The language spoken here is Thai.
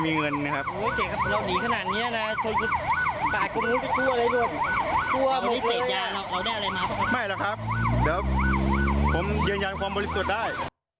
ไม่หรอกครับเดี๋ยวผมยืนยันความบริสุทธิ์ได้